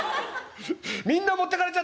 みんな持ってかれちゃったよ」。